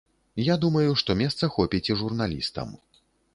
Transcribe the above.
Я думаю, што месца хопіць і журналістам.